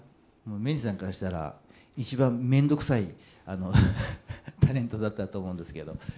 メリーさんからしたら、一番めんどくさいタレントだったと思うんですけど。